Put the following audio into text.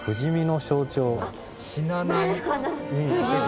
死なない。